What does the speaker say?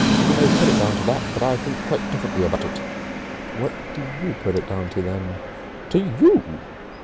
"You may put it down to that, but I think quite differently about it." "What do you put it down to, then?" "To you."